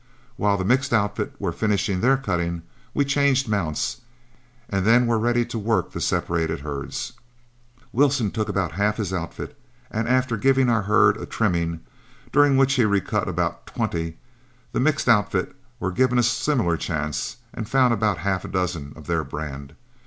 While the mixed outfit were finishing their cutting, we changed mounts, and then were ready to work the separated herds. Wilson took about half his outfit, and after giving our herd a trimming, during which he recut about twenty, the mixed outfit were given a similar chance, and found about half a dozen of their brand.